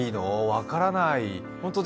分からない。